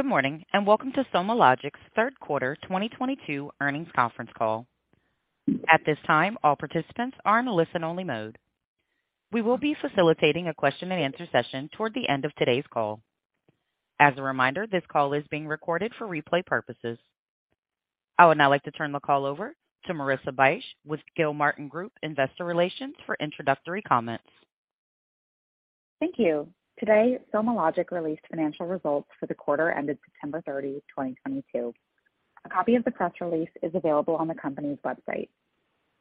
Good morning, and welcome to SomaLogic's third quarter 2022 earnings conference call. At this time, all participants are in listen only mode. We will be facilitating a question and answer session toward the end of today's call. As a reminder, this call is being recorded for replay purposes. I would now like to turn the call over to Marissa Bych with Gilmartin Group Investor Relations for introductory comments. Thank you. Today, SomaLogic released financial results for the quarter ended September 30, 2022. A copy of the press release is available on the company's website.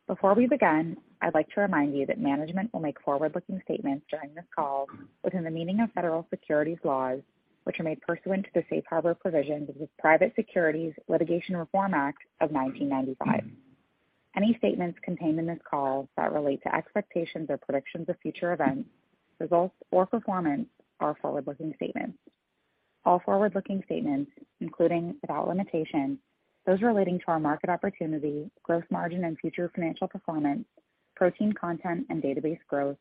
Before we begin, I'd like to remind you that management will make forward-looking statements during this call within the meaning of federal securities laws, which are made pursuant to the Safe Harbor provisions of the Private Securities Litigation Reform Act of 1995. Any statements contained in this call that relate to expectations or predictions of future events, results or performance are forward-looking statements. All forward-looking statements, including without limitation, those relating to our market opportunity, growth margin and future financial performance, protein content and database growth,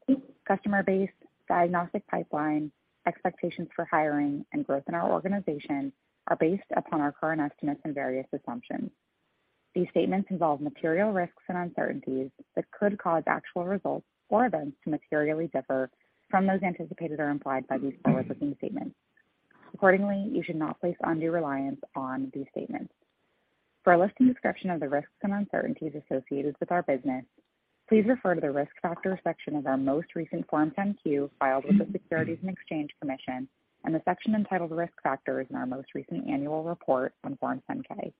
customer base, diagnostic pipeline, expectations for hiring and growth in our organization, are based upon our current estimates and various assumptions. These statements involve material risks and uncertainties that could cause actual results or events to materially differ from those anticipated or implied by these forward-looking statements. Accordingly, you should not place undue reliance on these statements. For a list and description of the risks and uncertainties associated with our business, please refer to the Risk Factor section of our most recent Form 10-Q filed with the Securities and Exchange Commission and the section entitled Risk Factors in our most recent annual report on Form 10-K.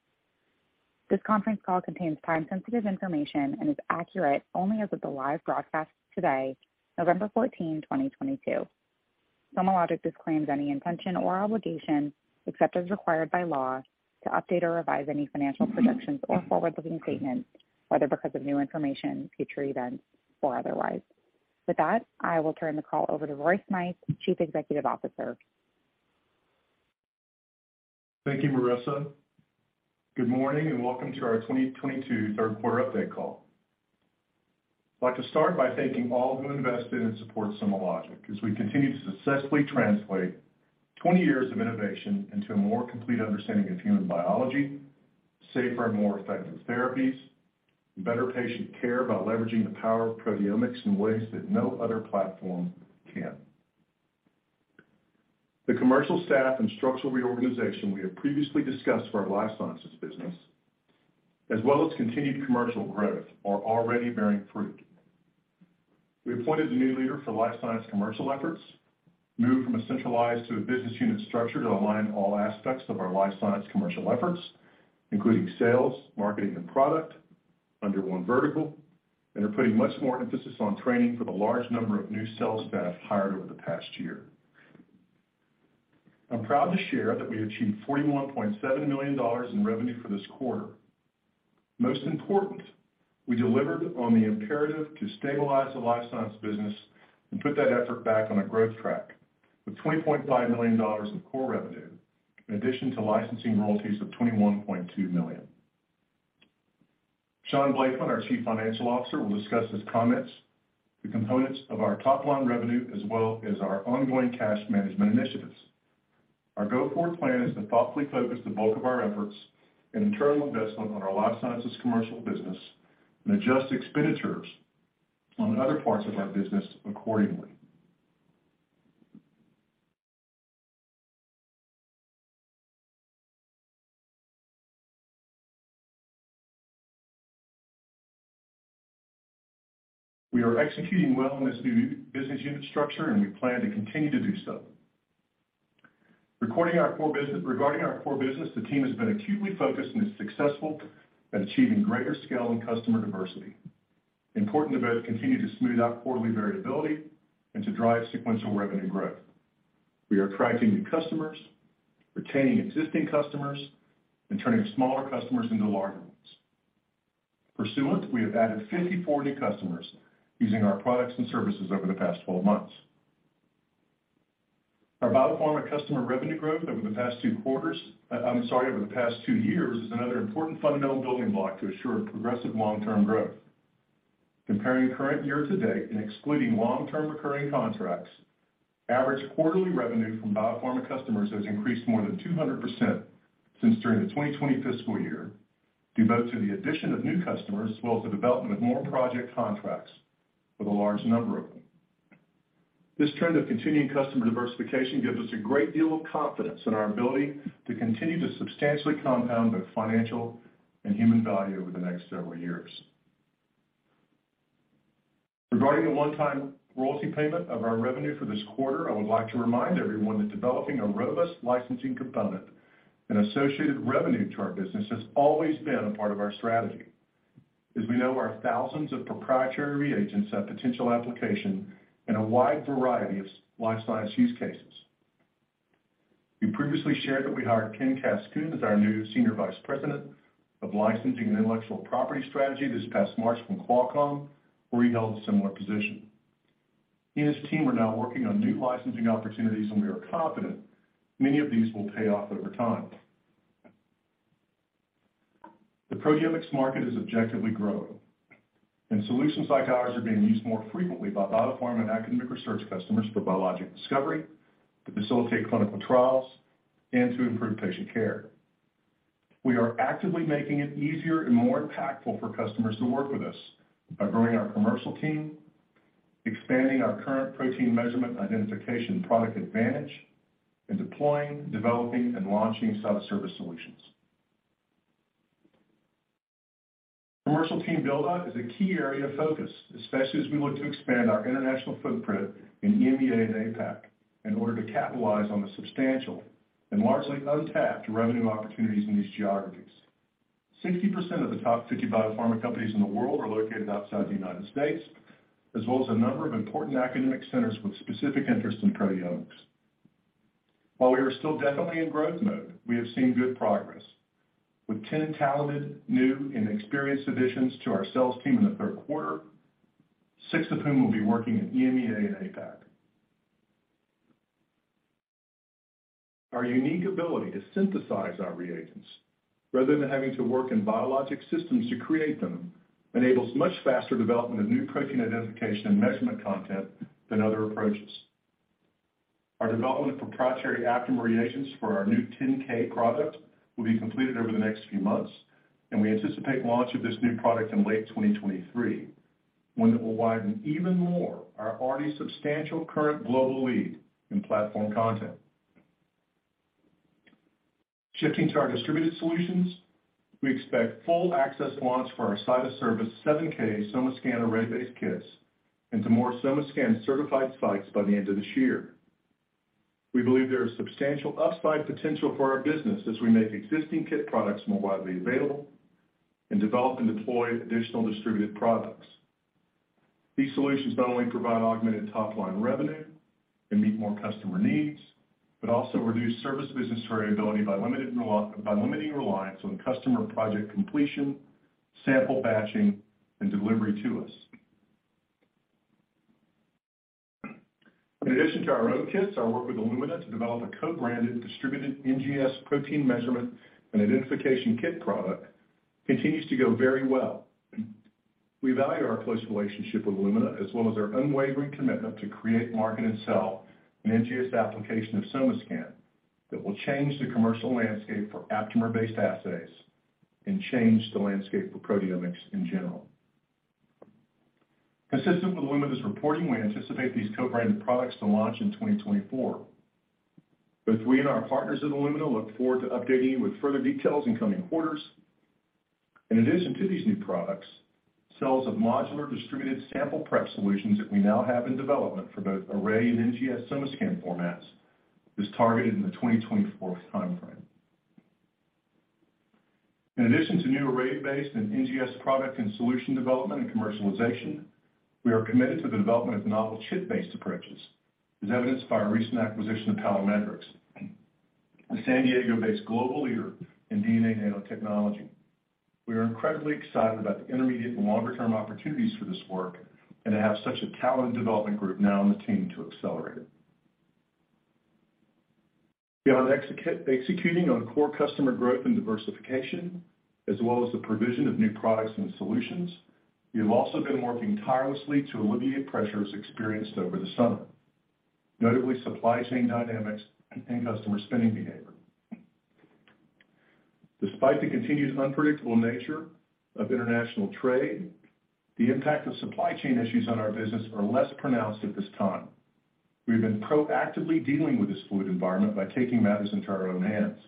This conference call contains time sensitive information and is accurate only as of the live broadcast today, November 14, 2022. SomaLogic disclaims any intention or obligation, except as required by law, to update or revise any financial projections or forward-looking statements, whether because of new information, future events, or otherwise. With that, I will turn the call over to Roy Smythe, Chief Executive Officer. Thank you, Marissa. Good morning and welcome to our 2022 third quarter update call. I'd like to start by thanking all who invested and support SomaLogic as we continue to successfully translate 20 years of innovation into a more complete understanding of human biology, safer and more effective therapies, and better patient care by leveraging the power of proteomics in ways that no other platform can. The commercial staff and structural reorganization we have previously discussed for our life sciences business, as well as continued commercial growth, are already bearing fruit. We appointed a new leader for life science commercial efforts, moved from a centralized to a business unit structure to align all aspects of our life science commercial efforts, including sales, marketing and product under one vertical, and are putting much more emphasis on training for the large number of new sales staff hired over the past year. I'm proud to share that we achieved $41.7 million in revenue for this quarter. Most important, we delivered on the imperative to stabilize the life science business and put that effort back on a growth track with $20.5 million in core revenue, in addition to licensing royalties of $21.2 million. Shaun Blakeman, our Chief Financial Officer, will discuss his comments, the components of our top line revenue as well as our ongoing cash management initiatives. Our go forward plan is to thoughtfully focus the bulk of our efforts and internal investment on our life sciences commercial business and adjust expenditures on other parts of our business accordingly. We are executing well in this new business unit structure and we plan to continue to do so. Regarding our core business, the team has been acutely focused and is successful at achieving greater scale and customer diversity, important to both continue to smooth out quarterly variability and to drive sequential revenue growth. We are attracting new customers, retaining existing customers and turning smaller customers into larger ones. Pursuant, we have added 54 new customers using our products and services over the past 12 months. Our biopharma customer revenue growth over the past 2 years is another important fundamental building block to assure progressive long-term growth. Comparing year-to-date and excluding long-term recurring contracts, average quarterly revenue from biopharma customers has increased more than 200% since the 2020 fiscal year, due both to the addition of new customers as well as the development of more project contracts with a large number of them. This trend of continuing customer diversification gives us a great deal of confidence in our ability to continue to substantially compound both financial and human value over the next several years. Regarding a one-time royalty payment of our revenue for this quarter, I would like to remind everyone that developing a robust licensing component and associated revenue to our business has always been a part of our strategy as we know our thousands of proprietary reagents have potential application in a wide variety of life science use cases. We previously shared that we hired Ken Caskun as our new Senior Vice President of Licensing and Intellectual Property Strategy this past March from Qualcomm, where he held a similar position. He and his team are now working on new licensing opportunities, and we are confident many of these will pay off over time. The proteomics market is objectively growing, and solutions like ours are being used more frequently by biopharma and academic research customers for biologic discovery, to facilitate clinical trials, and to improve patient care. We are actively making it easier and more impactful for customers to work with us by growing our commercial team, expanding our current protein measurement identification product advantage, and deploying, developing, and launching self-service solutions. Commercial team build-out is a key area of focus, especially as we look to expand our international footprint in EMEA and APAC in order to capitalize on the substantial and largely untapped revenue opportunities in these geographies. 60% of the top 50 biopharma companies in the world are located outside the United States, as well as a number of important academic centers with specific interest in proteomics. While we are still definitely in growth mode, we have seen good progress, with 10 talented, new and experienced additions to our sales team in the third quarter, 6 of whom will be working in EMEA and APAC. Our unique ability to synthesize our reagents rather than having to work in biological systems to create them enables much faster development of new protein identification and measurement content than other approaches. Our development of proprietary Aptamer reagents for our new 10K product will be completed over the next few months, and we anticipate launch of this new product in late 2023, one that will widen even more our already substantial current global lead in platform content. Shifting to our distributed solutions, we expect full access launch for our site of service 7K SomaScan array-based kits into more SomaScan certified sites by the end of this year. We believe there is substantial upside potential for our business as we make existing kit products more widely available and develop and deploy additional distributed products. These solutions not only provide augmented top-line revenue and meet more customer needs, but also reduce service business variability by limiting reliance on customer project completion, sample batching, and delivery to us. In addition to our own kits, our work with Illumina to develop a co-branded distributed NGS protein measurement and identification kit product continues to go very well. We value our close relationship with Illumina, as well as their unwavering commitment to create market and sell an NGS application of SomaScan that will change the commercial landscape for aptamer-based assays and change the landscape for proteomics in general. Consistent with Illumina's reporting, we anticipate these co-branded products to launch in 2024. Both we and our partners at Illumina look forward to updating you with further details in coming quarters. In addition to these new products, sales of modular distributed sample prep solutions that we now have in development for both array and NGS SomaScan formats is targeted in the 2024 timeframe. In addition to new array-based and NGS product and solution development and commercialization, we are committed to the development of novel chip-based approaches, as evidenced by our recent acquisition of Palamedrix, a San Diego-based global leader in DNA nanotechnology. We are incredibly excited about the intermediate and longer-term opportunities for this work and to have such a talented development group now on the team to accelerate it. Beyond executing on core customer growth and diversification, as well as the provision of new products and solutions, we have also been working tirelessly to alleviate pressures experienced over the summer, notably supply chain dynamics and customer spending behavior. Despite the continued unpredictable nature of international trade, the impact of supply chain issues on our business are less pronounced at this time. We've been proactively dealing with this fluid environment by taking matters into our own hands,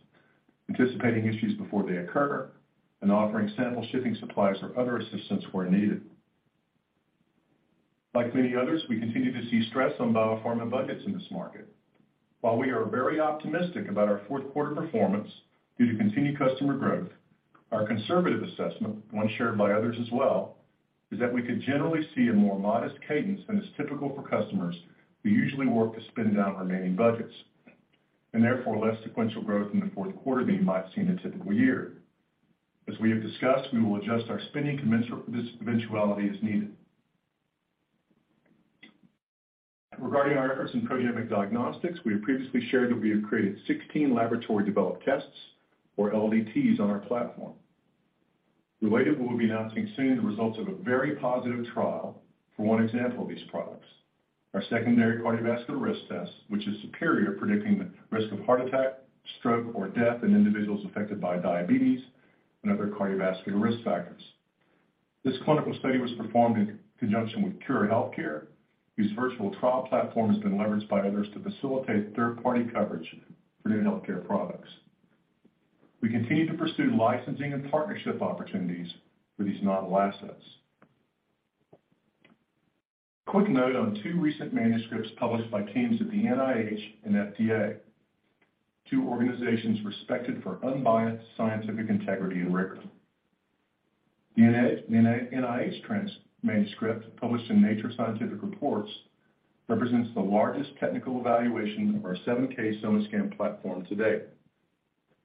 anticipating issues before they occur, and offering sample shipping supplies or other assistance where needed. Like many others, we continue to see stress on biopharma budgets in this market. While we are very optimistic about our fourth quarter performance due to continued customer growth, our conservative assessment, one shared by others as well, is that we could generally see a more modest cadence than is typical for customers who usually work to spend down remaining budgets, and therefore less sequential growth in the fourth quarter than you might see in a typical year. As we have discussed, we will adjust our spending commensurately to this eventuality as needed. Regarding our efforts in proteomic diagnostics, we have previously shared that we have created 16 laboratory-developed tests, or LDTs, on our platform. Related, we will be announcing soon the results of a very positive trial for one example of these products, our secondary cardiovascular risk test, which is superior predicting the risk of heart attack, stroke, or death in individuals affected by diabetes and other cardiovascular risk factors. This clinical study was performed in conjunction with Cure-AI, whose virtual trial platform has been leveraged by others to facilitate third-party coverage for new healthcare products. We continue to pursue licensing and partnership opportunities for these novel assets. A quick note on two recent manuscripts published by teams at the NIH and FDA, two organizations respected for unbiased scientific integrity and rigor. The NIH manuscript, published in Scientific Reports, represents the largest technical evaluation of our 7K SomaScan platform to date,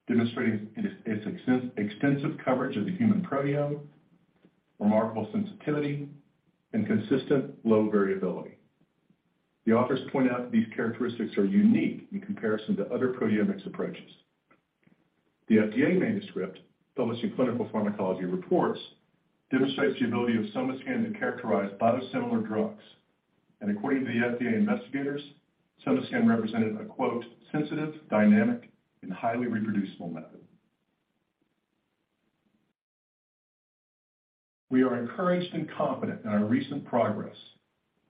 demonstrating its extensive coverage of the human proteome, remarkable sensitivity, and consistent low variability. The authors point out these characteristics are unique in comparison to other proteomics approaches. The FDA manuscript, published in Clinical Pharmacology & Therapeutics, demonstrates the ability of SomaScan to characterize biosimilar drugs. According to the FDA investigators, SomaScan represented a, quote, "sensitive, dynamic and highly reproducible method." We are encouraged and confident in our recent progress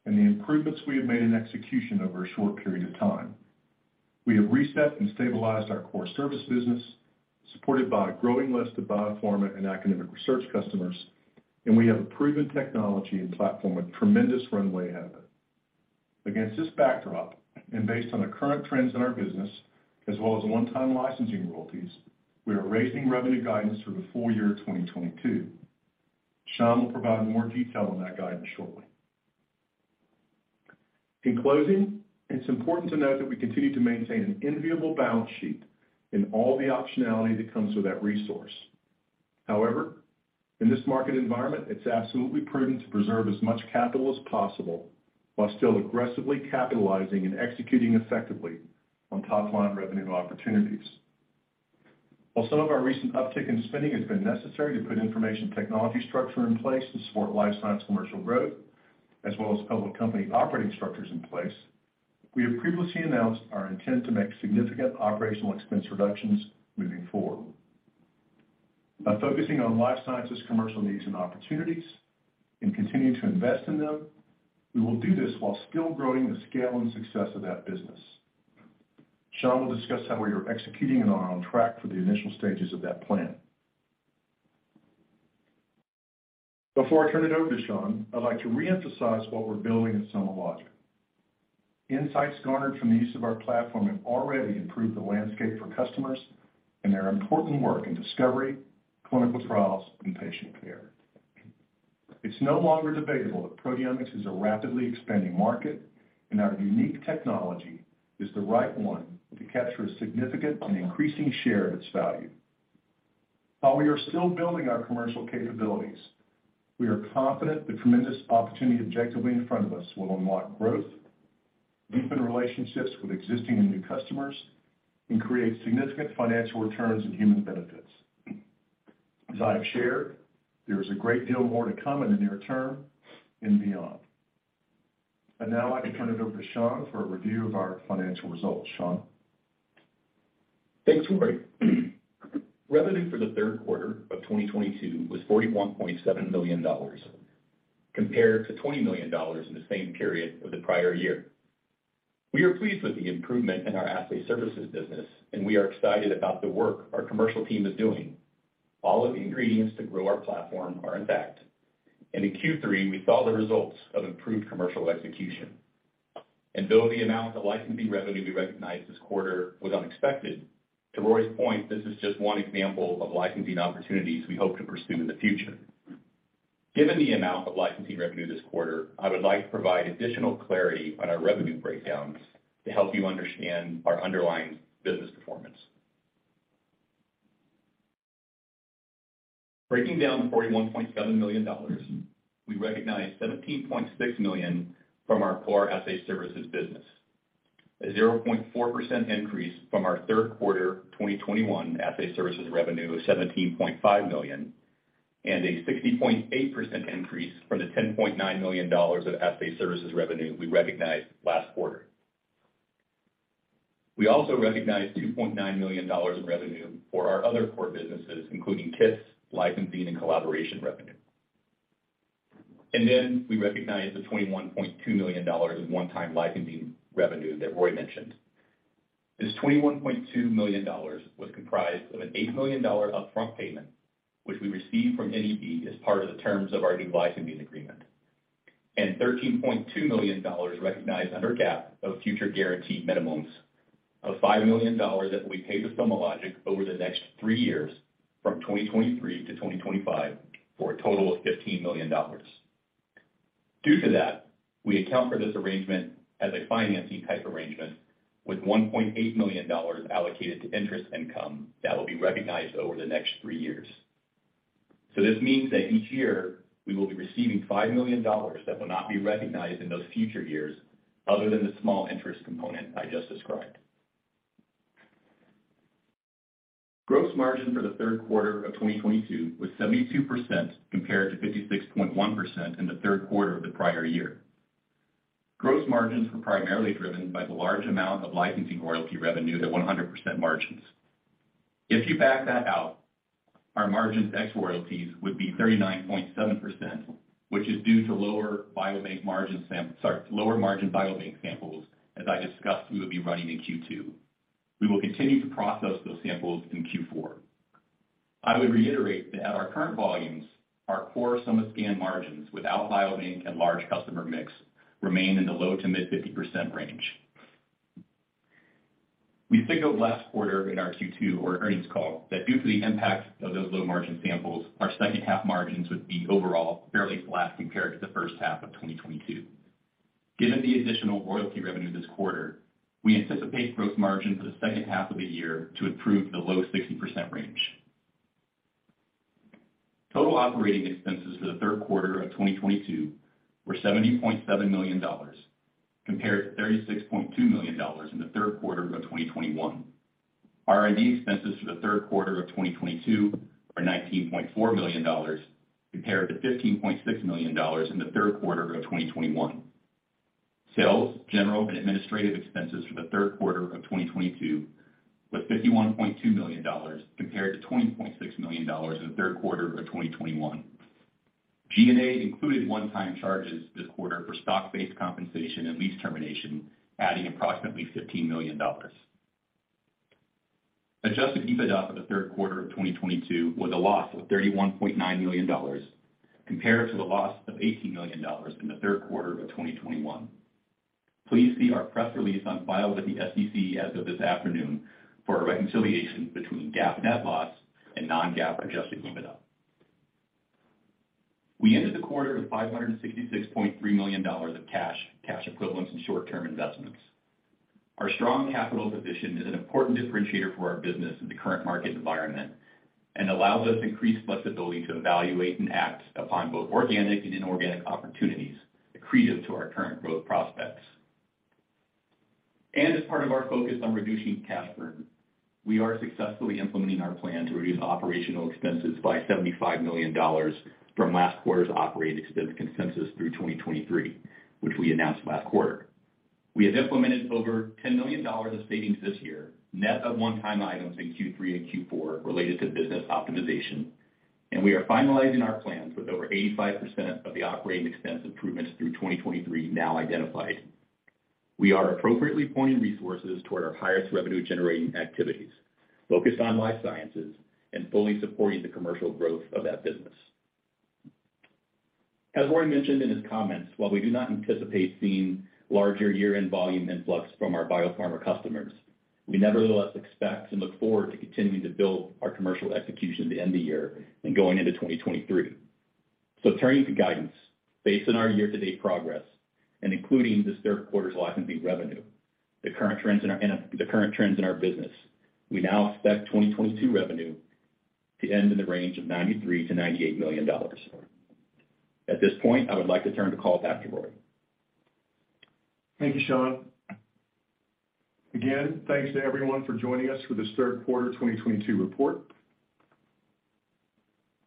and the improvements we have made in execution over a short period of time. We have reset and stabilized our core service business, supported by a growing list of biopharma and academic research customers, and we have a proven technology and platform with tremendous runway ahead of it. Against this backdrop, and based on the current trends in our business as well as one-time licensing royalties, we are raising revenue guidance for the full year of 2022. Shaun will provide more detail on that guidance shortly. In closing, it's important to note that we continue to maintain an enviable balance sheet and all the optionality that comes with that resource. However, in this market environment, it's absolutely prudent to preserve as much capital as possible while still aggressively capitalizing and executing effectively on top line revenue opportunities. While some of our recent uptick in spending has been necessary to put information technology infrastructure in place to support life science commercial growth, as well as public company operating structures in place, we have previously announced our intent to make significant operational expense reductions moving forward. By focusing on life sciences commercial needs and opportunities, and continuing to invest in them, we will do this while still growing the scale and success of that business. Shaun will discuss how we are executing and are on track for the initial stages of that plan. Before I turn it over to Shaun, I'd like to re-emphasize what we're building at SomaLogic. Insights garnered from the use of our platform have already improved the landscape for customers and their important work in discovery, clinical trials, and patient care. It's no longer debatable that proteomics is a rapidly expanding market, and our unique technology is the right one to capture a significant and increasing share of its value. While we are still building our commercial capabilities, we are confident the tremendous opportunity objectively in front of us will unlock growth, deepen relationships with existing and new customers, and create significant financial returns and human benefits. As I have shared, there is a great deal more to come in the near term and beyond. Now I turn it over to Shaun Blakeman for a review of our financial results. Shaun Blakeman? Thanks, Roy. Revenue for the third quarter of 2022 was $41.7 million, compared to $20 million in the same period of the prior year. We are pleased with the improvement in our assay services business and we are excited about the work our commercial team is doing. All of the ingredients to grow our platform are intact, and in Q3, we saw the results of improved commercial execution. Though the amount of licensing revenue we recognized this quarter was unexpected, to Roy's point, this is just one example of licensing opportunities we hope to pursue in the future. Given the amount of licensing revenue this quarter, I would like to provide additional clarity on our revenue breakdowns to help you understand our underlying business performance. Breaking down the $41.7 million, we recognized $17.6 million from our core assay services business. A 0.4% increase from our third quarter 2021 assay services revenue of $17.5 million, and a 60.8% increase from the $10.9 million of assay services revenue we recognized last quarter. We also recognized $2.9 million in revenue for our other core businesses, including TIS, licensing, and collaboration revenue. We recognized the $21.2 million in one-time licensing revenue that Roy mentioned. This $21.2 million was comprised of an $8 million upfront payment, which we received from NEB as part of the terms of our new licensing agreement, and $13.2 million recognized under GAAP of future guaranteed minimums of $5 million that will be paid to SomaLogic over the next three years, from 2023 to 2025, for a total of $15 million. Due to that, we account for this arrangement as a financing type arrangement with $1.8 million allocated to interest income that will be recognized over the next three years. This means that each year we will be receiving $5 million that will not be recognized in those future years, other than the small interest component I just described. Gross margin for the third quarter of 2022 was 72%, compared to 56.1% in the third quarter of the prior year. Gross margins were primarily driven by the large amount of licensing royalty revenue at 100% margins. If you back that out, our margins ex-royalties would be 39.7%, which is due to lower margin biobank samples, as I discussed we would be running in Q2. We will continue to process those samples in Q4. I would reiterate that at our current volumes, our core SomaScan margins without biobank and large customer mix remain in the low- to mid-50% range. We signaled last quarter in our Q2 earnings call that due to the impact of those low margin samples, our second half margins would be overall fairly flat compared to the first half of 2022. Given the additional royalty revenue this quarter, we anticipate gross margin for the second half of the year to improve to the low 60% range. Total operating expenses for the third quarter of 2022 were $70.7 million compared to $36.2 million in the third quarter of 2021. R&D expenses for the third quarter of 2022 are $19.4 million compared to $15.6 million in the third quarter of 2021. Sales, general and administrative expenses for the third quarter of 2022 was $51.2 million compared to $20.6 million in the third quarter of 2021. G&A included one-time charges this quarter for stock-based compensation and lease termination, adding approximately $15 million. Adjusted EBITDA for the third quarter of 2022 was a loss of $31.9 million compared to the loss of $18 million in the third quarter of 2021. Please see our press release on file with the SEC as of this afternoon for a reconciliation between GAAP net loss and non-GAAP adjusted EBITDA. We ended the quarter with $566.3 million of cash equivalents and short-term investments. Our strong capital position is an important differentiator for our business in the current market environment and allows us increased flexibility to evaluate and act upon both organic and inorganic opportunities accretive to our current growth prospects. As part of our focus on reducing cash burn, we are successfully implementing our plan to reduce operational expenses by $75 million from last quarter's operating expense consensus through 2023, which we announced last quarter. We have implemented over $10 million of savings this year, net of one-time items in Q3 and Q4 related to business optimization, and we are finalizing our plans with over 85% of the operating expense improvements through 2023 now identified. We are appropriately pointing resources toward our highest revenue generating activities, focused on life sciences and fully supporting the commercial growth of that business. As Roy mentioned in his comments, while we do not anticipate seeing larger year-end volume influx from our biopharma customers, we nevertheless expect and look forward to continuing to build our commercial execution at the end of the year and going into 2023. Turning to guidance, based on our year-to-date progress and including this third quarter's licensing revenue, the current trends in our business, we now expect 2022 revenue to end in the range of $93 million-$98 million. At this point, I would like to turn the call back to Roy. Thank you, Shaun. Again, thanks to everyone for joining us for this third quarter 2022 report.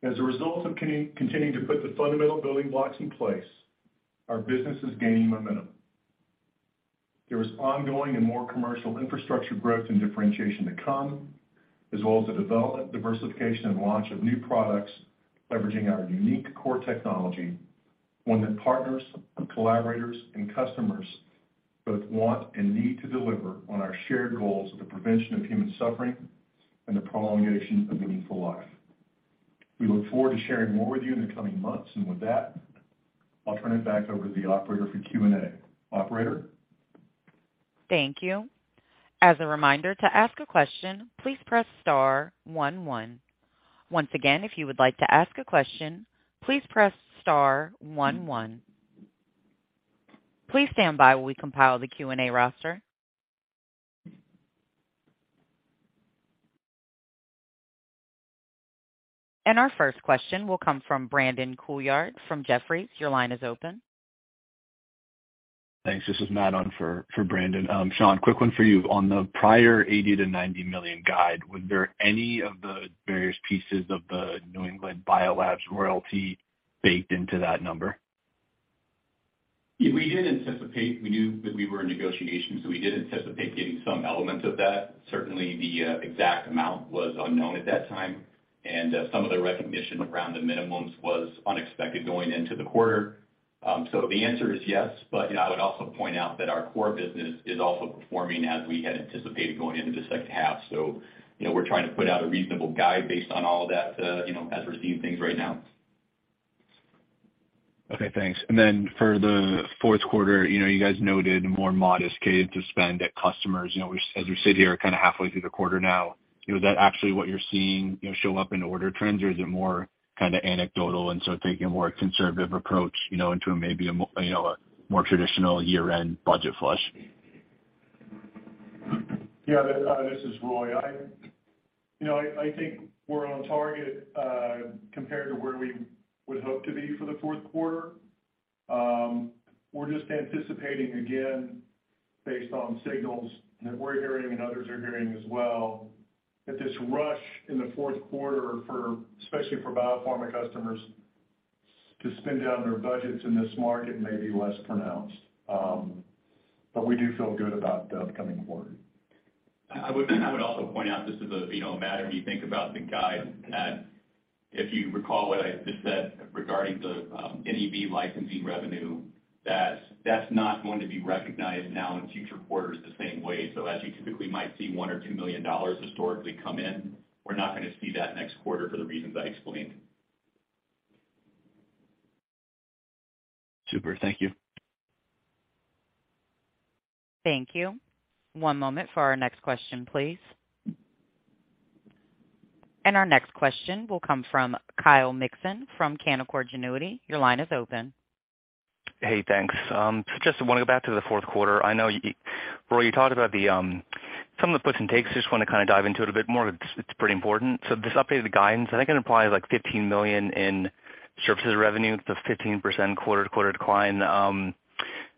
As a result of continuing to put the fundamental building blocks in place, our business is gaining momentum. There is ongoing and more commercial infrastructure growth and differentiation to come, as well as the development, diversification and launch of new products leveraging our unique core technology, one that partners and collaborators and customers both want and need to deliver on our shared goals of the prevention of human suffering and the prolongation of meaningful life. We look forward to sharing more with you in the coming months. With that, I'll turn it back over to the operator for Q&A. Operator? Thank you. As a reminder, to ask a question, please press star one one. Once again, if you would like to ask a question, please press star one one. Please stand by while we compile the Q&A roster. Our first question will come from Brandon Couillard from Jefferies. Your line is open. Thanks. This is Matt on for Brandon. Shaun, quick one for you. On the prior $80-$90 million guide, was there any of the various pieces of the New England Biolabs royalty baked into that number? We did anticipate. We knew that we were in negotiations, so we did anticipate getting some elements of that. Certainly, the exact amount was unknown at that time, and some of the recognition around the minimums was unexpected going into the quarter. The answer is yes. I would also point out that our core business is also performing as we had anticipated going into the second half. We're trying to put out a reasonable guide based on all of that, as we're seeing things right now. Okay, thanks. For the fourth quarter, you guys noted more modest cadence of spend at customers. As we sit here kind of halfway through the quarter now, is that actually what you're seeing, show up in order trends or is it more kind of anecdotal and so taking a more conservative approach, into a maybe a more traditional year-end budget flush? Yeah, this is Roy. I think we're on target compared to where we would hope to be for the fourth quarter. We're just anticipating, again, based on signals that we're hearing and others are hearing as well, that this rush in the fourth quarter for, especially for biopharma customers to spend down their budgets in this market may be less pronounced. We do feel good about the upcoming quarter. I would also point out just as a Matt, when you think about the guide that if you recall what I just said regarding the NEB licensing revenue, that that's not going to be recognized now in future quarters the same way. As you typically might see $1 million or $2 million historically come in, we're not going to see that next quarter for the reasons I explained. Super. Thank you. Thank you. One moment for our next question, please. Our next question will come from Kyle Mikson from Canaccord Genuity. Your line is open. Hey, thanks. Just want to go back to the fourth quarter. I know you, Roy Smythe, you talked about some of the puts and takes. Just want to kind of dive into it a bit more. It's pretty important. This updated guidance, I think it implies like $15 million in services revenue, the 15% quarter-to-quarter decline.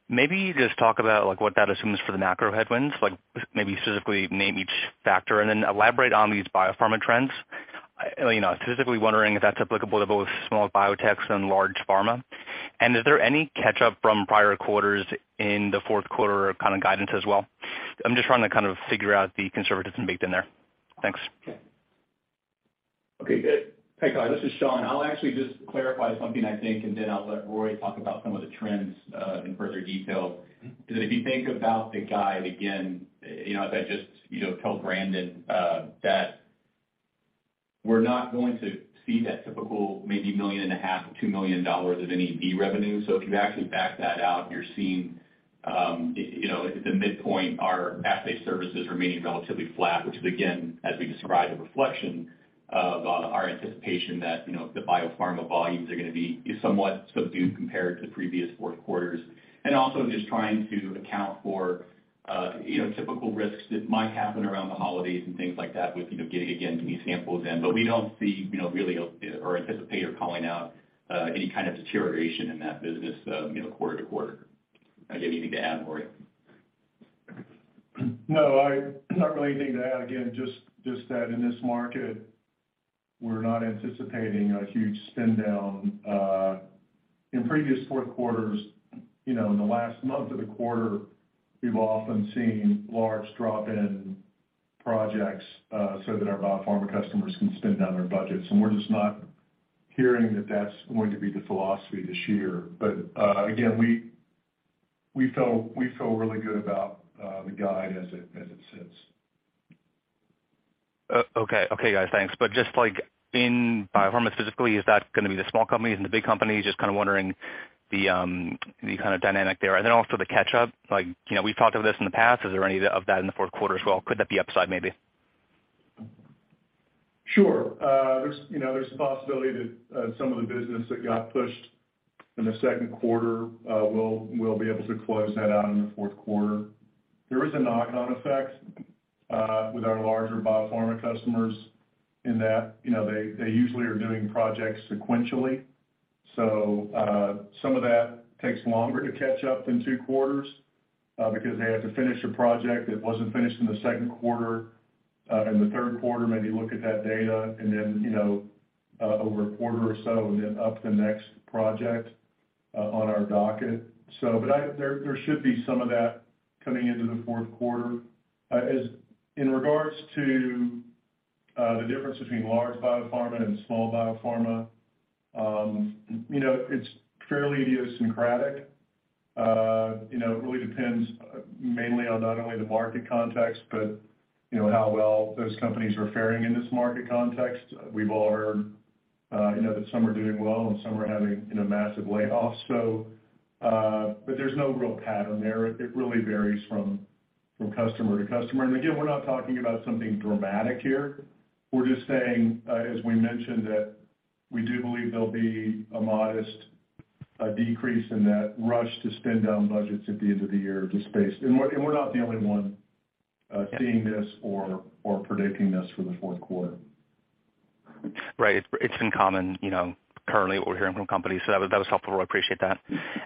Maybe just talk about like what that assumes for the macro headwinds, like maybe specifically name each factor and then elaborate on these biopharma trends. Specifically wondering if that's applicable to both small biotechs and large pharma. Is there any catch-up from prior quarters in the fourth quarter kind of guidance as well? I'm just trying to kind of figure out the conservatism baked in there. Thanks. Okay. Hey, Kyle. This is Shaun. I'll actually just clarify something, I think, and then I'll let Roy talk about some of the trends in further detail. Because if you think about the guide again as I just told Brandon that we're not going to see that typical maybe $1.5 million or $2 million of NEB revenue. So if you actually back that out, you're seeing at the midpoint, our assay services remaining relatively flat, which is, again, as we described, a reflection of our anticipation that the biopharma volumes are gonna be somewhat subdued compared to previous fourth quarters. Also just trying to account for typical risks that might happen around the holidays and things like that with getting again these samples in. We don't see really or anticipate or calling out any kind of deterioration in that business quarter to quarter. Again, anything to add, Roy? No, not really anything to add. Again, just that in this market, we're not anticipating a huge spend down. In previous fourth quarters in the last month of the quarter, we've often seen large drop-in projects, so that our biopharma customers can spend down their budgets. We're just not hearing that that's going to be the philosophy this year. Again, we feel really good about the guide as it sits. Okay, guys. Thanks. Just like in biopharma specifically, is that gonna be the small companies and the big companies? Just kind of wondering the kind of dynamic there. Also the catch up, like we've talked about this in the past. Is there any of that in the fourth quarter as well? Could that be upside maybe? Sure. There's there's a possibility that some of the business that got pushed in the second quarter, we'll be able to close that out in the fourth quarter. There is a knock-on effect with our larger biopharma customers in that they usually are doing projects sequentially. Some of that takes longer to catch up than two quarters because they have to finish a project that wasn't finished in the second quarter in the third quarter, maybe look at that data and then, over a quarter or so and then up the next project on our docket. There should be some of that coming into the fourth quarter. As in regards to the difference between large biopharma and small biopharma it's fairly idiosyncratic. It really depends mainly on not only the market context, but how well those companies are faring in this market context. We've all heard that some are doing well and some are having, massive layoffs. There's no real pattern there. It really varies from customer to customer. We're not talking about something dramatic here. We're just saying, as we mentioned, that we do believe there'll be a modest decrease in that rush to spend down budgets at the end of the year at this pace. We're not the only one seeing this or predicting this for the fourth quarter. Right. It's uncommon currently what we're hearing from companies. So that was helpful, Roy. Appreciate that.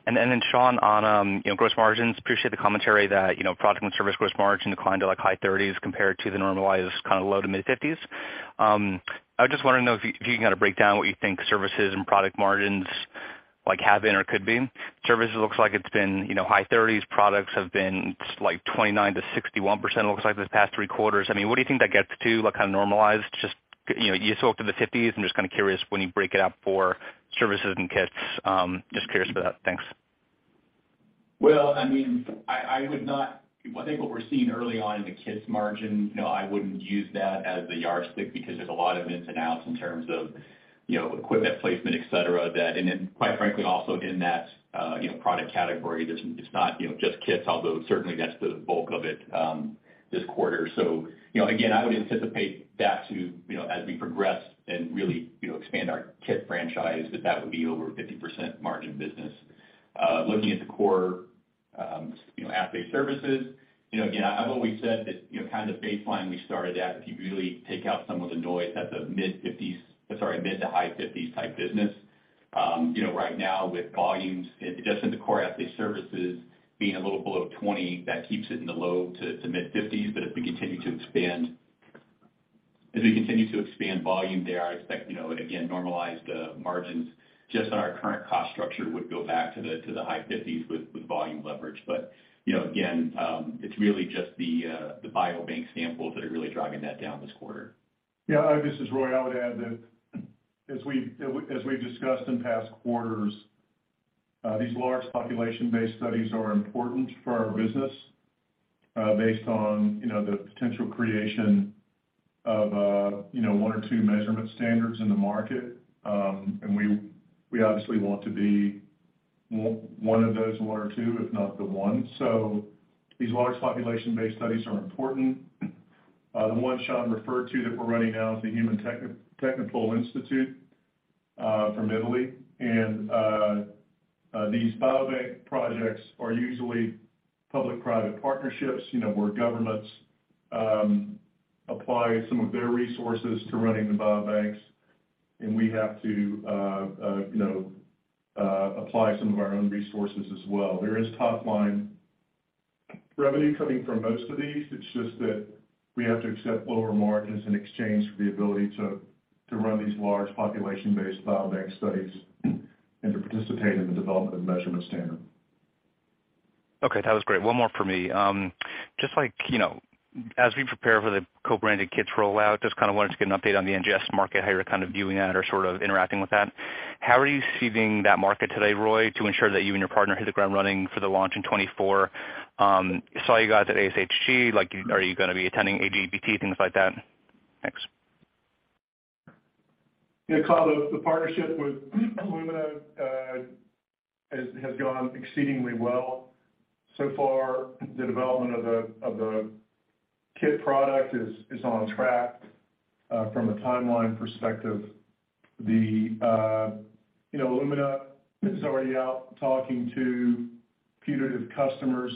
Then Shaun, on gross margins, appreciate the commentary that product and service gross margin declined to like high 30s compared to the normalized kind of low- to mid-50s. I was just wanting to know if you can kind of break down what you think services and product margins like have been or could be. Services looks like it's been high 30s. Products have been like 29%-61%, it looks like, these past three quarters. I mean, what do you think that gets to, like kind of normalized? Just you spoke to the 50s. I'm just kind of curious when you break it out for services and kits. Just curious for that. Thanks. I mean, I would not. I think what we're seeing early on in the kits margin I wouldn't use that as the yardstick because there's a lot of ins and outs in terms of equipment placement, et cetera, that. Then quite frankly, also in that product category, there's, it's not just kits, although certainly that's the bulk of it, this quarter. Again, I would anticipate that to as we progress and really expand our kit franchise, that would be over a 50% margin business. Looking at the core assay services again, I've always said that kind of baseline we started at, if you really take out some of the noise, that's a mid- to high 50s% type business. ight now with volumes, just in the core assay services being a little below 20, that keeps it in the low- to mid-50s%. If we continue to expand volume there, I expect, you know, and again, normalized margins just on our current cost structure would go back to the high 50s% with volume leverage. Again, it's really just the biobank samples that are really driving that down this quarter. Yeah. This is Roy. I would add that as we've discussed in past quarters, these large population-based studies are important for our business, based on the potential creation of one or two measurement standards in the market. We obviously want to be one of those one or two, if not the one. These large population-based studies are important. The one Shaun referred to that we're running now is the Human Technopole Institute from Italy. Apply some of our own resources as well. There is top line revenue coming from most of these. It's just that we have to accept lower margins in exchange for the ability to run these large population-based biobank studies and to participate in the development of measurement standard. Okay. That was great. One more for me. Just like as we prepare for the co-branded kits rollout, just kind of wanted to get an update on the NGS market, how you're kind of viewing that or sort of interacting with that. How are you seeding that market today, Roy, to ensure that you and your partner hit the ground running for the launch in 2024? Saw you guys at ASHG. Like, are you gonna be attending AGBT, things like that? Thanks. Yeah, Kyle, the partnership with Illumina has gone exceedingly well. So far, the development of the kit product is on track from a timeline perspective. Illumina is already out talking to putative customers.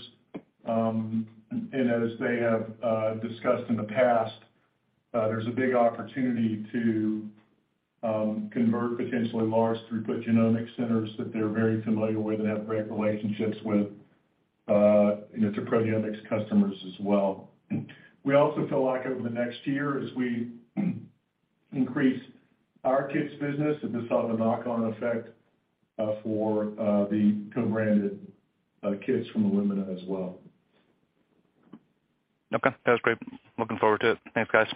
As they have discussed in the past, there's a big opportunity to convert potentially large throughput genomic centers that they're very familiar with and have great relationships with, you know, to proteomics customers as well. We also feel like over the next year, as we increase our kits business, that this will have a knock-on effect for the co-branded kits from Illumina as well. Okay. That was great. Looking forward to it. Thanks, guys.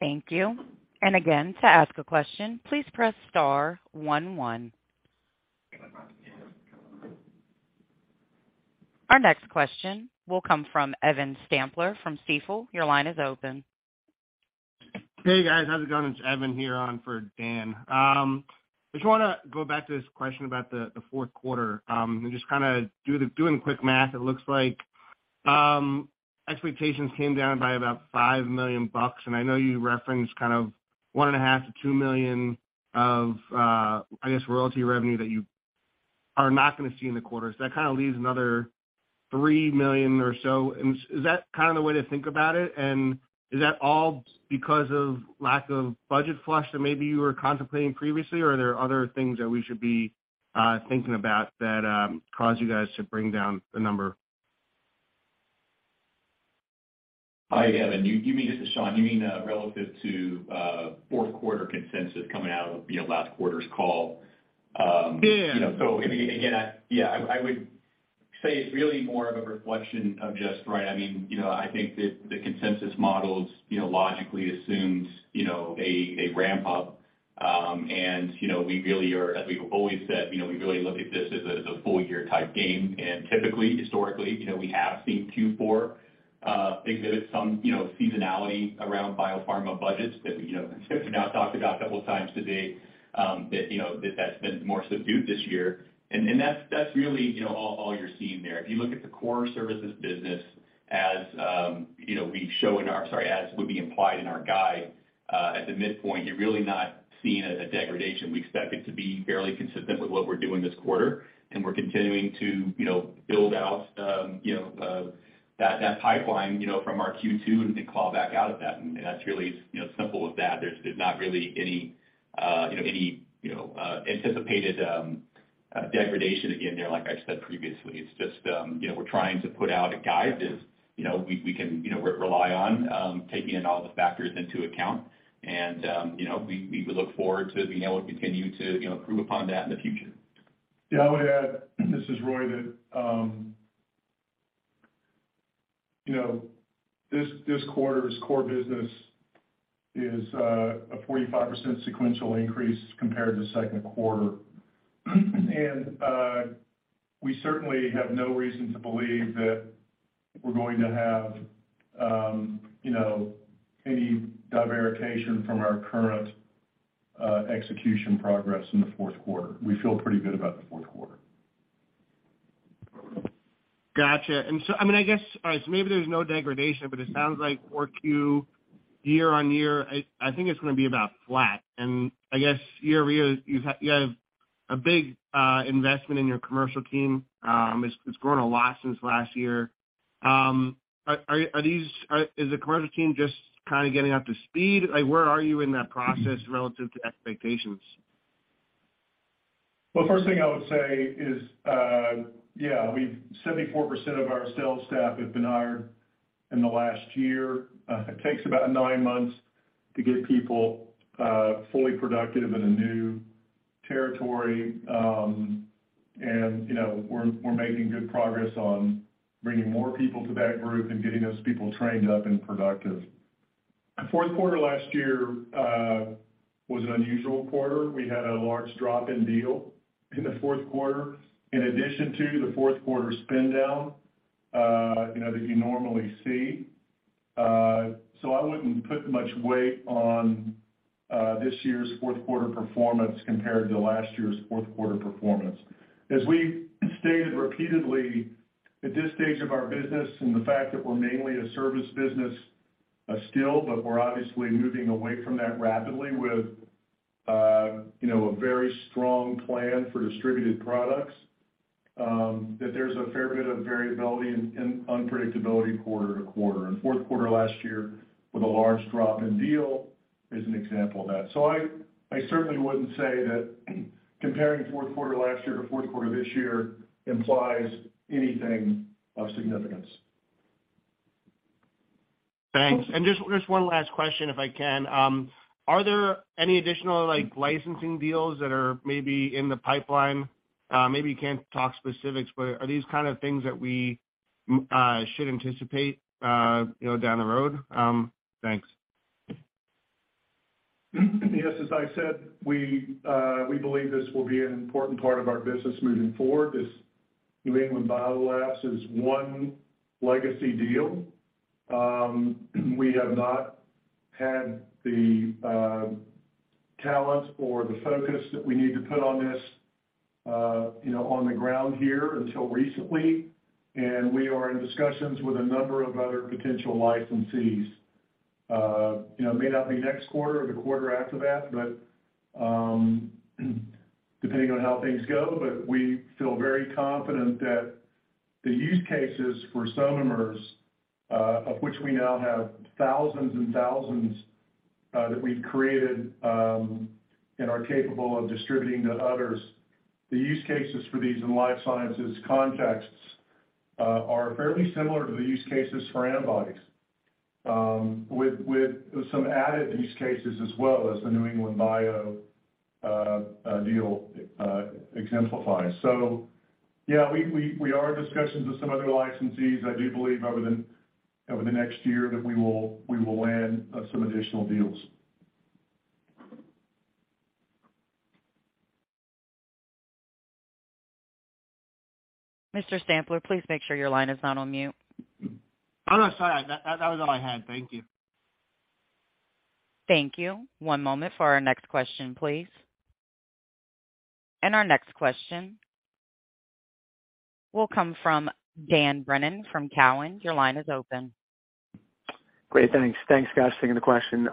Thank you. Again, to ask a question, please press star one one. Our next question will come from Evan Stampler from Stifel. Your line is open. Hey, guys. How's it going? It's Evan here on for Dan. I just wanna go back to this question about the fourth quarter. Just kinda do the quick math, it looks like expectations came down by about $5 million. I know you referenced kind of $1.5 million-$2 million of, I guess, royalty revenue that you are not gonna see in the quarter. That kind of leaves another $3 million or so. Is that kind of the way to think about it? Is that all because of lack of budget flush that maybe you were contemplating previously, or are there other things that we should be thinking about that caused you guys to bring down the number? Hi, Evan. This is Shaun. You mean relative to fourth quarter consensus coming out of, you know, last quarter's call? Yeah. Yeah, I would say it's really more of a reflection of just right. I mean, you know, I think that the consensus models logically assumes a ramp-up. We really are, as we've always said, you know, we really look at this as a full year type game. Typically, historically, you know, we have seen Q4 exhibit some seasonality around biopharma budgets that, you know, as we've now talked about a couple of times today, that that's been more subdued this year. That's really, you know, all you're seeing there. If you look at the core services business as we show in our. Sorry, as would be implied in our guide, at the midpoint, you're really not seeing a degradation. We expect it to be fairly consistent with what we're doing this quarter, and we're continuing to, you know, build out that pipeline, you know, from our Q2, and then call back out of that. That's really as, you know, simple as that. There's not really any anticipated degradation again there, like I said previously. It's just, you know, we're trying to put out a guide as, you know, we can rely on, taking in all the factors into account. We look forward to being able to continue to, you know, improve upon that in the future. Yeah. I would add, this is Roy, that, you know, this quarter's core business is a 45% sequential increase compared to second quarter. We certainly have no reason to believe that we're going to have, you know, any divergence from our current execution progress in the fourth quarter. We feel pretty good about the fourth quarter. Gotcha. I mean, I guess. All right. Maybe there's no degradation, but it sounds like 4Q year-over-year, I think it's gonna be about flat. I guess year-over-year, you have a big investment in your commercial team. It's grown a lot since last year. Is the commercial team just kind of getting up to speed? Like where are you in that process relative to expectations? Well, first thing I would say is, yeah, we've 74% of our sales staff have been hired in the last year. It takes about nine months to get people fully productive in a new territory. You know, we're making good progress on bringing more people to that group and getting those people trained up and productive. Fourth quarter last year was an unusual quarter. We had a large drop-in deal in the fourth quarter, in addition to the fourth quarter spin down, you know, that you normally see. So I wouldn't put much weight on this year's fourth quarter performance compared to last year's fourth quarter performance. As we stated repeatedly, at this stage of our business and the fact that we're mainly a service business, still, but we're obviously moving away from that rapidly with, you know, a very strong plan for distributed products, that there's a fair bit of variability and unpredictability quarter to quarter. Fourth quarter last year with a large drop in deal is an example of that. I certainly wouldn't say that comparing fourth quarter last year to fourth quarter this year implies anything of significance. Thanks. Just one last question if I can. Are there any additional, like, licensing deals that are maybe in the pipeline? Maybe you can't talk specifics, but are these kind of things that we should anticipate, you know, down the road? Thanks. Yes, as I said, we believe this will be an important part of our business moving forward. This New England Biolabs is one legacy deal. We have not had the talent or the focus that we need to put on this, you know, on the ground here until recently, and we are in discussions with a number of other potential licensees. You know, may not be next quarter or the quarter after that, but depending on how things go, but we feel very confident that the use cases for SOMAmers, of which we now have thousands and thousands that we've created, and are capable of distributing to others. The use cases for these in life sciences contexts are fairly similar to the use cases for antibodies, with some added use cases as well as the New England Biolabs deal exemplifies. Yeah, we are in discussions with some other licensees. I do believe over the next year that we will land some additional deals. Mr. Stampler, please make sure your line is not on mute. Oh, no, sorry. That was all I had. Thank you. Thank you. One moment for our next question, please. Our next question will come from Dan Brennan from TD Cowen. Your line is open. Great, thanks. Thanks, guys. Taking the question.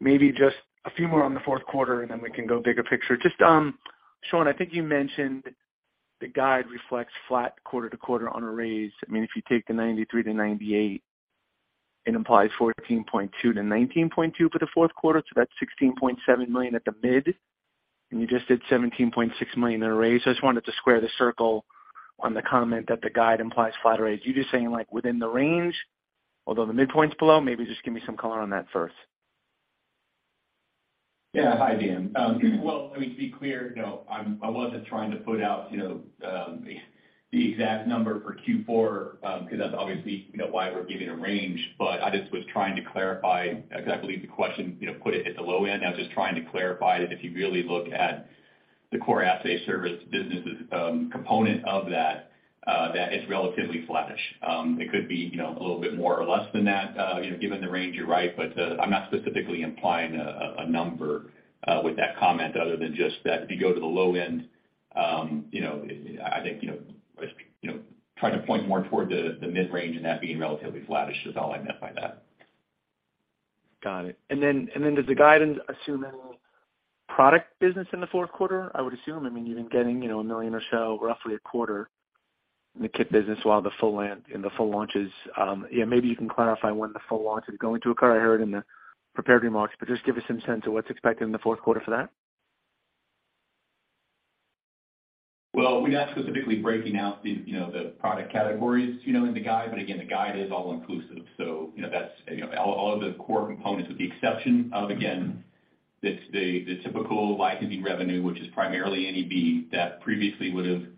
Maybe just a few more on the fourth quarter, and then we can go bigger picture. Just, Shaun, I think you mentioned the guide reflects flat quarter-over-quarter on revs. I mean, if you take the $93-$98, it implies $14.2-$19.2 for the fourth quarter, so that's $16.7 million at the mid, and you just did $17.6 million in revs. I just wanted to square the circle on the comment that the guide implies flat revs. You're just saying like within the range? Although the midpoint's below, maybe just give me some color on that first. Yeah. Hi, Dan. Well, let me be clear. No, I wasn't trying to put out, you know, the exact number for Q4, 'cause that's obviously, you know, why we're giving a range. I just was trying to clarify because I believe the question, you know, put it at the low end. I was just trying to clarify that if you really look at the core assay service business component of that it's relatively flat-ish. It could be, you know, a little bit more or less than that, you know, given the range, you're right. I'm not specifically implying a number with that comment other than just that if you go to the low end, you know, I think, you know, trying to point more toward the mid-range and that being relatively flat-ish is all I meant by that. Got it. Does the guidance assume any product business in the fourth quarter? I would assume, I mean, you've been getting, you know, $1 million or so, roughly a quarter in the kit business while the full land and the full launch is, yeah, maybe you can clarify when the full launch is going to occur. I heard in the prepared remarks, but just give us some sense of what's expected in the fourth quarter for that. Well, we're not specifically breaking out the, you know, the product categories, you know, in the guide, but again, the guide is all inclusive. You know, that's, you know, all of the core components with the exception of, again, the typical licensing revenue, which is primarily NEB, that previously would've been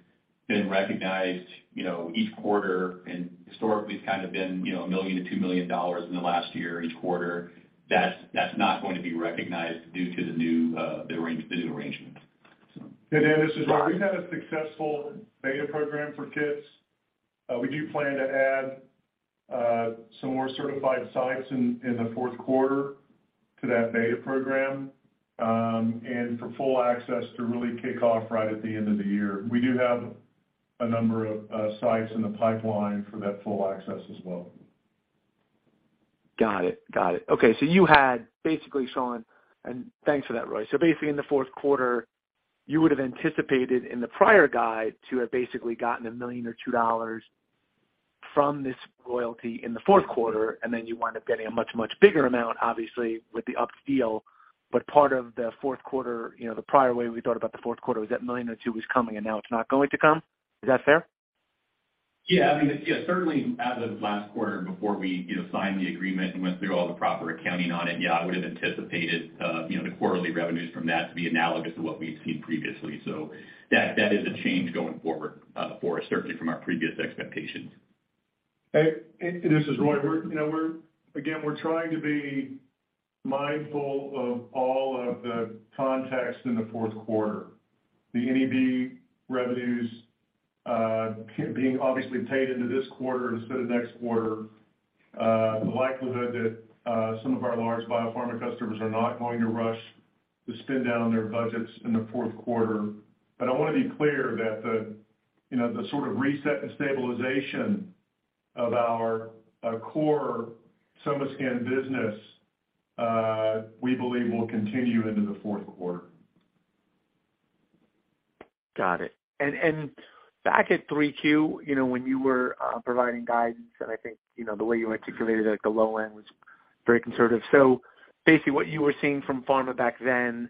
recognized, you know, each quarter and historically has kind of been, you know, $1 million-$2 million in the last year, each quarter. That's not going to be recognized due to the new arrangement. Dan, this is Roy. We've had a successful beta program for kits. We do plan to add some more certified sites in the fourth quarter to that beta program, and for full access to really kick off right at the end of the year. We do have a number of sites in the pipeline for that full access as well. Got it. Okay. You had basically, Shaun, and thanks for that, Roy. Basically, in the fourth quarter, you would've anticipated in the prior guide to have basically gotten $1 million or $2 million from this royalty in the fourth quarter, and then you wind up getting a much, much bigger amount, obviously, with the up deal. Part of the fourth quarter, you know, the prior way we thought about the fourth quarter was that $1 million or $2 million was coming and now it's not going to come. Is that fair? Yeah. I mean, yeah, certainly as of last quarter before we, you know, signed the agreement and went through all the proper accounting on it, yeah, I would've anticipated, you know, the quarterly revenues from that to be analogous to what we've seen previously. That is a change going forward, for us, certainly from our previous expectations. Hey, this is Roy. We're, you know, again, trying to be mindful of all of the context in the fourth quarter. The NEB revenues, being obviously paid into this quarter instead of next quarter, the likelihood that some of our large biopharma customers are not going to rush to spend down their budgets in the fourth quarter. I want to be clear that the, you know, the sort of reset and stabilization of our core SomaScan business, we believe will continue into the fourth quarter. Got it. Back at Q3, you know, when you were providing guidance, and I think, you know, the way you articulated it at the low end was very conservative. Basically what you were seeing from pharma back then,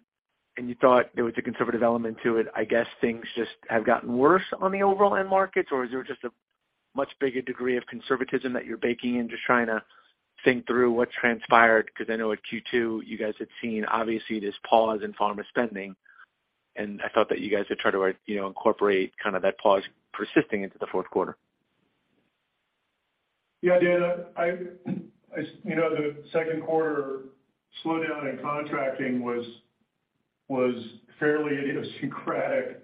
and you thought there was a conservative element to it, I guess things just have gotten worse on the overall end markets, or is there just a much bigger degree of conservatism that you're baking in? Just trying to think through what transpired, 'cause I know at Q2 you guys had seen obviously this pause in pharma spending, and I thought that you guys had tried to, you know, incorporate kind of that pause persisting into the fourth quarter. Yeah, Dan. You know, the second quarter slowdown in contracting was fairly idiosyncratic.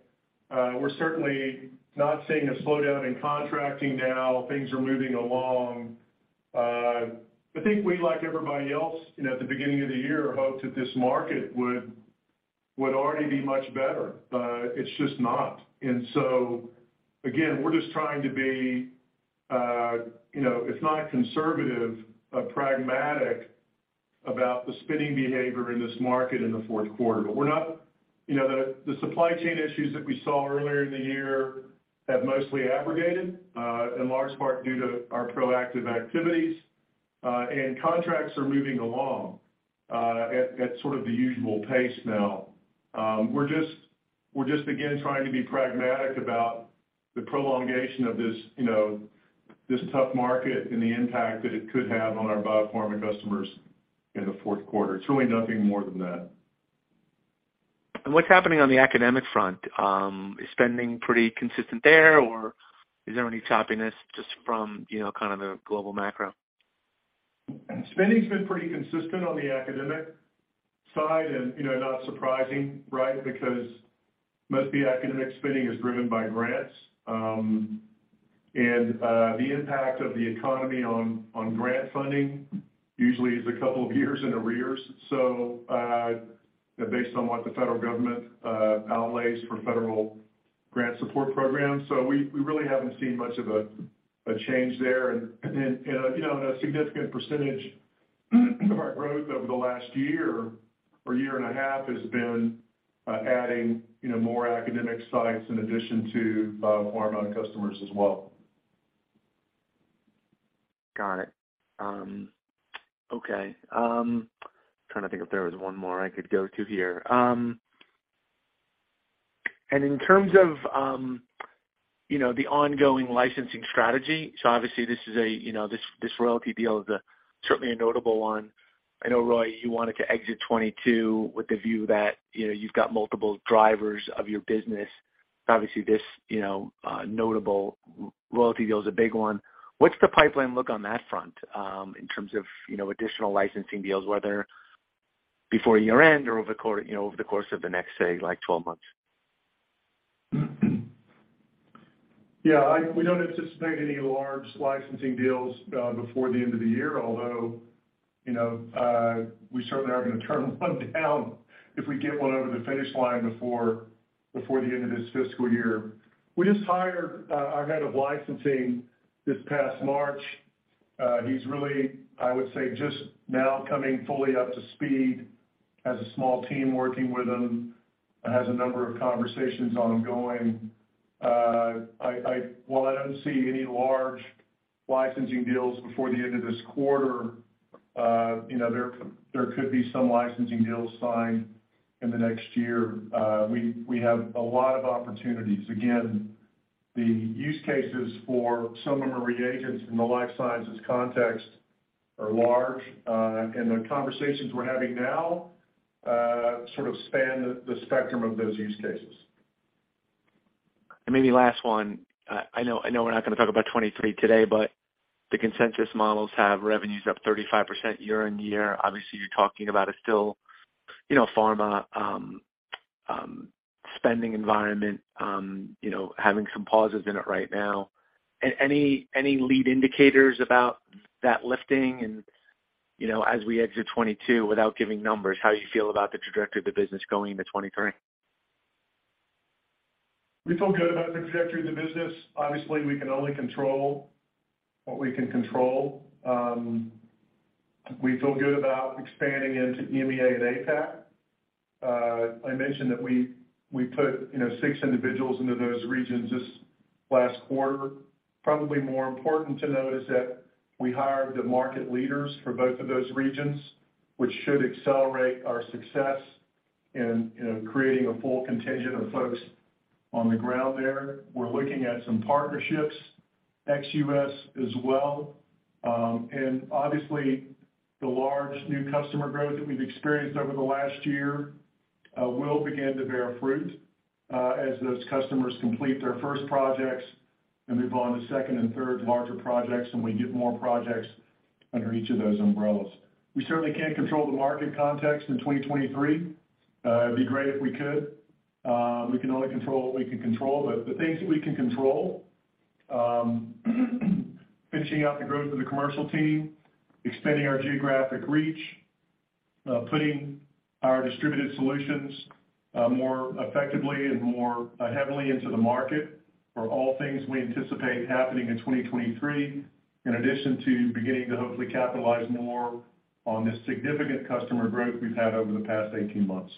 We're certainly not seeing a slowdown in contracting now. Things are moving along. I think we, like everybody else, you know, at the beginning of the year, hoped that this market would already be much better, but it's just not. We're just trying to be, you know, if not conservative, but pragmatic about the spending behavior in this market in the fourth quarter. You know, the supply chain issues that we saw earlier in the year have mostly abated, in large part due to our proactive activities. Contracts are moving along at sort of the usual pace now. We're just again trying to be pragmatic about the prolongation of this, you know, this tough market and the impact that it could have on our biopharma customers in the fourth quarter. It's really nothing more than that. What's happening on the academic front? Is spending pretty consistent there, or is there any choppiness just from, you know, kind of the global macro? Spending's been pretty consistent on the academic side and, you know, not surprising, right? Because most of the academic spending is driven by grants. The impact of the economy on grant funding usually is a couple of years in arrears, so based on what the federal government outlays for federal grant support programs. We really haven't seen much of a change there. You know, a significant percentage of our growth over the last year or year and a half has been adding, you know, more academic sites in addition to biopharma customers as well. Got it. Okay. Trying to think if there was one more I could go to here. In terms of you know, the ongoing licensing strategy, obviously this is a you know, this royalty deal is certainly a notable one. I know, Roy, you wanted to exit 2022 with the view that, you know, you've got multiple drivers of your business. Obviously this, you know, notable royalty deal is a big one. What's the pipeline look like on that front, in terms of, you know, additional licensing deals, whether before year end or over the course of the next, say, like 12 months? Yeah, we don't anticipate any large licensing deals before the end of the year, although, you know, we certainly aren't gonna turn one down if we get one over the finish line before the end of this fiscal year. We just hired our head of licensing this past March. He's really, I would say, just now coming fully up to speed, has a small team working with him and has a number of conversations ongoing. While I don't see any large licensing deals before the end of this quarter, you know, there could be some licensing deals signed in the next year. We have a lot of opportunities. Again, the use cases for some of our reagents in the life sciences context are large. The conversations we're having now sort of span the spectrum of those use cases. Maybe last one. I know we're not gonna talk about 2023 today, but the consensus models have revenues up 35% year-over-year. Obviously, you're talking about a still, you know, pharma spending environment, you know, having some pauses in it right now. Any lead indicators about that lifting and, you know, as we exit 2022, without giving numbers, how you feel about the trajectory of the business going into 2023? We feel good about the trajectory of the business. Obviously, we can only control what we can control. We feel good about expanding into EMEA and APAC. I mentioned that we put, you know, 6 individuals into those regions this last quarter. Probably more important to note is that we hired the market leaders for both of those regions, which should accelerate our success in creating a full contingent of folks on the ground there. We're looking at some partnerships, ex-US as well. Obviously, the large new customer growth that we've experienced over the last year will begin to bear fruit as those customers complete their first projects and move on to second and third larger projects, and we get more projects under each of those umbrellas. We certainly can't control the market context in 2023. It'd be great if we could. We can only control what we can control. The things that we can control, finishing out the growth of the commercial team, expanding our geographic reach, putting our distributed solutions more effectively and more heavily into the market are all things we anticipate happening in 2023, in addition to beginning to hopefully capitalize more on the significant customer growth we've had over the past 18 months.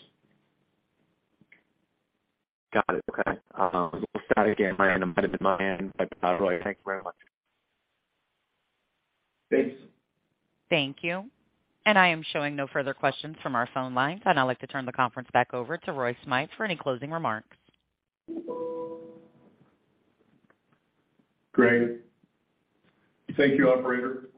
Got it. Okay. We'll stop again. My hand might have been my hand, but Roy, thank you very much. Thanks. Thank you. I am showing no further questions from our phone lines. I'd now like to turn the conference back over to Roy Smythe for any closing remarks. Great. Thank you, operator.